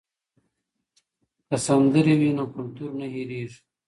که سندرې وي نو کلتور نه هېریږي.